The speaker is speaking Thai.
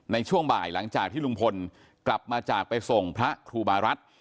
ในช่วงบ่ายหลังจากที่ลุงพลกลับมาจากไปส่งพระครูบารัฐ